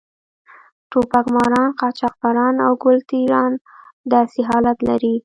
ټوپک ماران، قاچاقبران او ګل ټېران داسې حالت لري.